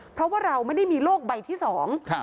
เพราะว่าเราไม่ได้มีโลกใบที่สอง